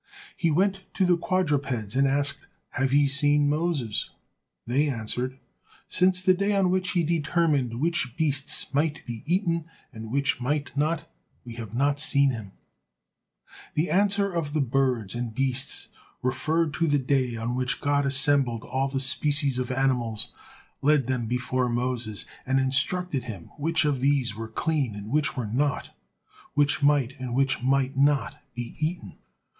He went to the quadrupeds and asked: "Have ye seen Moses?" They answered: "Since the day on which he determined which beasts might be eaten, and which might not, we have not seen him." The answer of the birds and beasts referred to the day on which God assembled all the species of animals, led them before Moses, and instructed him which of these were clean and which were not, which might, and which might not be eaten.